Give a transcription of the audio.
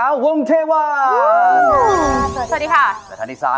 โอ้วต้องบอกเลยเจ้มจน